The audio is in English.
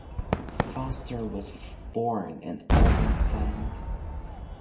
Foster was born in Owen Sound.